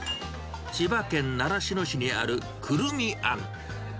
千葉県習志野市にあるくるみ庵。